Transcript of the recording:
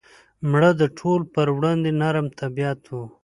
مړه د ټولو پر وړاندې نرم طبیعت وه